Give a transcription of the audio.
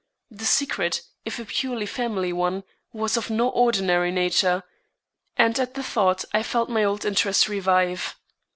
The secret, if a purely family one, was of no ordinary nature; and at the thought I felt my old interest revive.